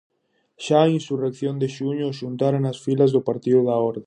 Xa a insurrección de xuño os xuntara nas filas do Partido da Orde.